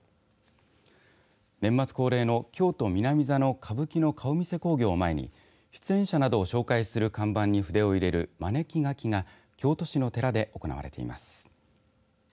年末恒例の京都南座の歌舞伎の顔見世興行を前に出演者などを紹介する看板に筆を入れるまねき書きが京都市の寺で行われています。